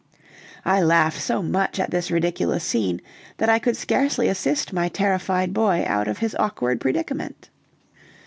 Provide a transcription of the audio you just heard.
I laughed so much at this ridiculous scene, that I could scarcely assist my terrified boy out of his awkward predicament.